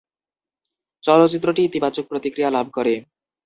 চলচ্চিত্রটি ইতিবাচক প্রতিক্রিয়া লাভ করে।